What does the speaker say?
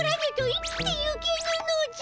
生きてゆけぬのじゃ！